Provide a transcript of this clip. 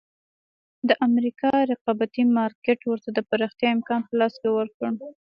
د امریکا رقابتي مارکېټ ورته د پراختیا امکان په لاس ورکړ.